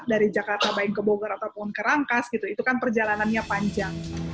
dari jakarta baik ke bogor ataupun ke rangkas gitu itu kan perjalanannya panjang